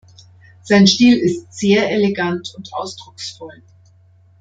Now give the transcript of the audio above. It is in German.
Sein Stil ist sehr elegant und ausdrucksvoll.